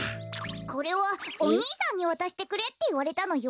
これはおにいさんにわたしてくれっていわれたのよ。